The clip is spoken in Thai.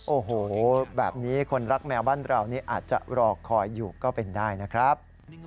โอ้โหแบบนี้คนรักแมวบ้านเรานี่อาจจะรอคอยอยู่ก็เป็นได้นะครับ